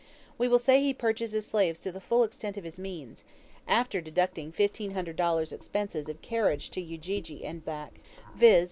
We will say he purchases slaves to the full extent of his means after deducting $1,500 expenses of carriage to Ujiji and back viz.